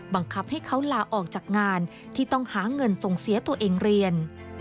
บังคับให้เขาลาออกจากงานที่ต้องหาเงินส่งเสียตัวเองเรียน